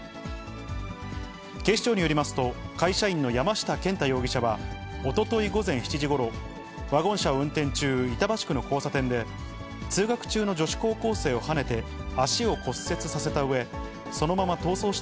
警視庁によりますと、会社員の山下健太容疑者は、おととい午前７時ごろ、ワゴン車を運転中、板橋区の交差点で、通学中の女子高校生をはねて足を骨折させたうえ、そのまま逃走し